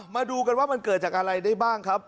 มาดูกันว่ามันเกิดจากอะไรได้บ้างครับ